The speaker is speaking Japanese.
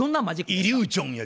イリュージョンね。